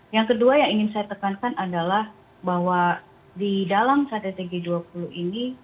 yang kedua yang ingin saya tekankan adalah bahwa di dalam kttg dua puluh ini